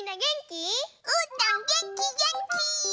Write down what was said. うーたんげんきげんき！